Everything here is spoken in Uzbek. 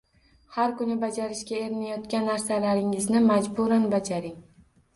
Har kuni bajarishga erinayotgan narsalaringizni majburan bajaring